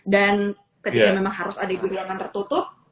dan ketika memang harus ada kehilangan tertutup